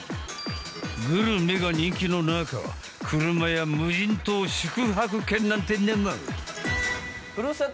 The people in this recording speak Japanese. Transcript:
グルメが人気の中車や無人島宿泊券なんてのも。